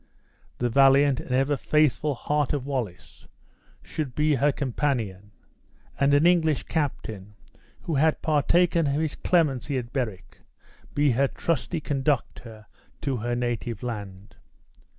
The valiant and ever faithful heart of Wallace should be her companion; and an English captain, who had partaken of his clemency at Berwick, be her trusty conductor to her native land.